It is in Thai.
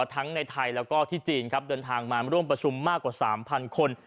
ทั้งในไทยแล้วก็ที่จีนครับเดินทางมาร่วมประชุมมากกว่า๓๐๐คน